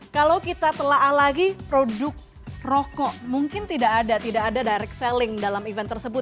kalau kita telah lagi produk rokok mungkin tidak ada tidak ada direct selling dalam event tersebut